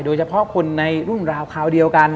โดยเฉพาะคนในรุ่นราวคราวเดียวกัน